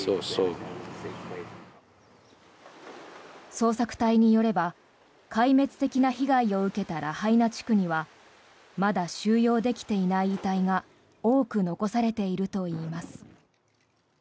捜索隊によれば壊滅的な被害を受けたラハイナ地区にはまだ収容できていない遺体が多く残されているといいます。